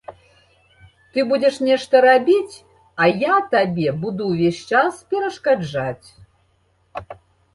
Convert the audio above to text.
Ты будзеш нешта рабіць, а я табе буду ўвесь час перашкаджаць.